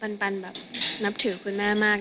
ปันแบบนับถือคุณแม่มาก